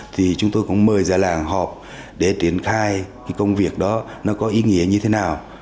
thì chúng tôi cũng mời ra làng họp để triển khai cái công việc đó nó có ý nghĩa như thế nào